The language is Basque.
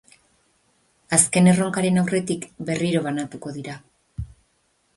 Azken erronkaren aurretik, berriro banatuko dira.